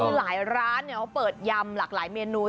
คือหลายร้านเขาเปิดยำหลากหลายเมนู